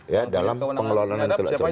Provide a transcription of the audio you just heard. ya dalam pengelolaan yang tidak cermin